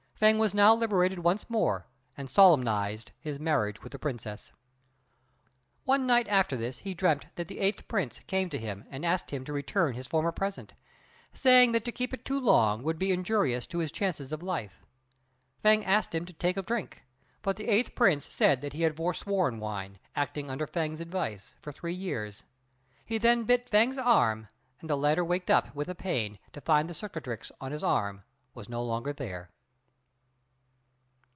Fêng was now liberated once more, and solemnized his marriage with the Princess. One night after this he dreamt that the Eighth Prince came to him and asked him to return his former present, saying that to keep it too long would be injurious to his chances of life. Fêng asked him to take a drink, but the Eighth Prince said that he had forsworn wine, acting under Fêng's advice, for three years. He then bit Fêng's arm, and the latter waked up with the pain to find that the cicatrix on his arm was no longer there.